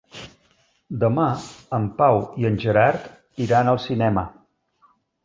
Demà en Pau i en Gerard iran al cinema.